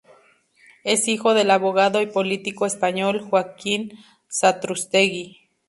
Es hijo del abogado y político español, Joaquín Satrústegui.